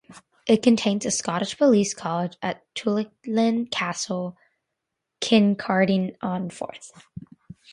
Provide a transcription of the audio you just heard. It contained the Scottish Police College at Tulliallan Castle, Kincardine-on-Forth.